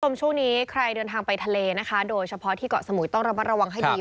ในช่วงนี้ใครเดินทางไปทะเลนะคะโดยเฉพาะที่เกาะสมุยต้องระวังให้ดี